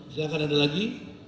silahkan ada lagi